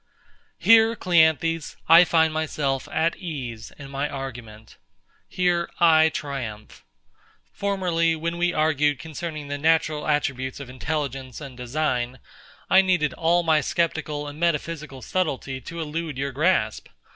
Here, CLEANTHES, I find myself at ease in my argument. Here I triumph. Formerly, when we argued concerning the natural attributes of intelligence and design, I needed all my sceptical and metaphysical subtlety to elude your grasp.